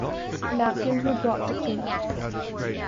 Napkins were brought to clean up.